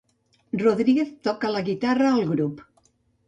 Rodríguez toca la guitarra al grup.